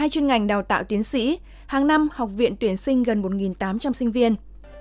một mươi chuyên ngành đào tạo tiến sĩ hàng năm học viện tuyển sinh gần một tám trăm linh sinh viên